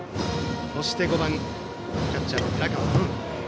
そして５番、キャッチャーの寺川。